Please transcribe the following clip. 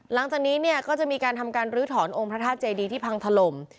หลังจากนี้เนี่ยก็จะมีการทำการลื้อถอนองค์พระธาตุเจดีที่พังถล่ม